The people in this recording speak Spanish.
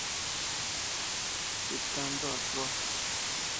Citando al Prof.